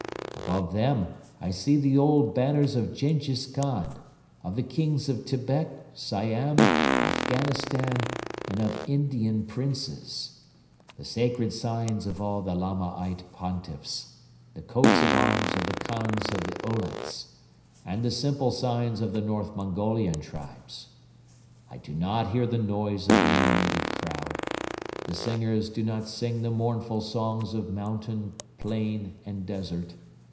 Above them I see the old banners of Jenghiz Khan, of the Kings of Tibet, Siam, Afghanistan and of Indian Princes; the sacred signs of all the Lamaite Pontiffs; the coats of arms of the Khans of the Olets; and the simple signs of the north Mongolian tribes. I do not hear the noise of the animated crowd. The singers do not sing the mournful songs of mountain, plain and desert.